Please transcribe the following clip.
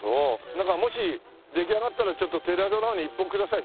なんかもし出来上がったらちょっとテレ朝の方に一報ください。